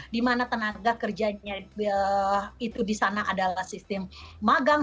dimana tenaga kerjanya itu di sana adalah sistem magang